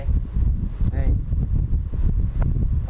ทำอย่างไรครับ